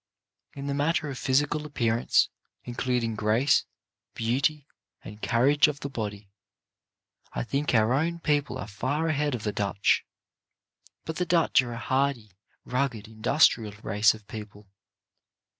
In the matter of physical appearance, including grace, beauty, and carriage of the body, I think our own people are far ahead of the Dutch. But the Dutch are a hardy, rugged, industrious race of people.